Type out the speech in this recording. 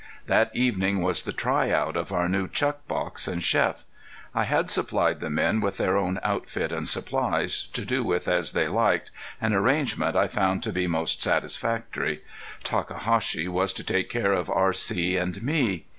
That evening was the try out of our new chuck box and chef. I had supplied the men with their own outfit and supplies, to do with as they liked, an arrangement I found to be most satisfactory. Takahashi was to take care of R.C. and me.